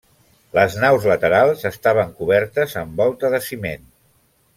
Les naus laterals estaven cobertes amb volta de ciment.